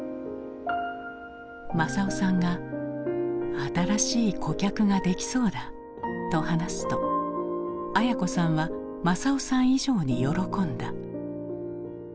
政男さんが「新しい顧客ができそうだ」と話すと文子さんは政男さん以上に喜んだ。